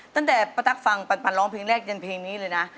ตั้งแต่ป้าตั๊กฟังปันร้องเพลงแรกยันเพลงนี้เลยนะ